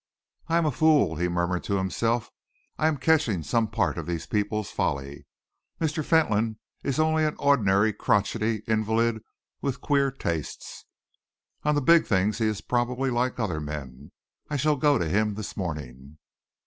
"I am a fool!" he murmured to himself. "I am catching some part of these people's folly. Mr. Fentolin is only an ordinary, crotchety invalid with queer tastes. On the big things he is probably like other men. I shall go to him this morning."